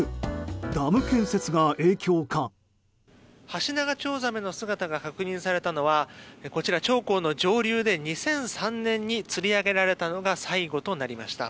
ハシナガチョウザメの姿が確認されたのは長江の上流で２００３年につり上げられたのが最後となりました。